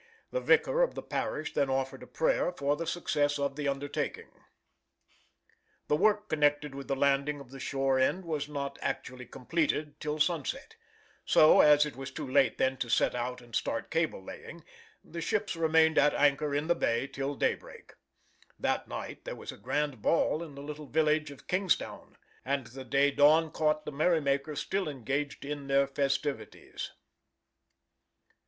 The vicar of the parish then offered a prayer for the success of the undertaking. [Illustration: FIG. 14. Landing the Irish End of the Cable.] The work connected with the landing of the shore end was not actually completed till sunset; so, as it was too late then to set out and start cable laying, the ships remained at anchor in the bay till daybreak. That night there was a grand ball at the little village of Kingstown, and the day dawn caught the merrymakers still engaged in their festivities.